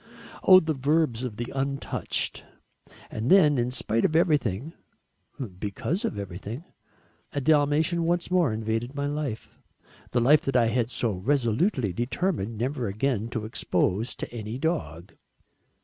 Oh the verbs of the untouched. And then, in spite of everything, because of everything, a Dalmatian once more invaded my life the life that I had so resolutely determined never again to expose to any dog.